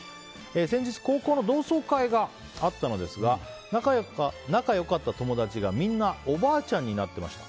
先日、高校の同窓会があったのですが仲良かった友達がみんなおばあちゃんになっていました。